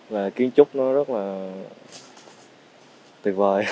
và kiến trúc nó rất là tuyệt vời